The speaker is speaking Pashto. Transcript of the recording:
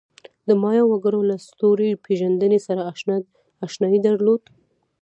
د مایا وګړو له ستوري پېژندنې سره آشنایي درلوده.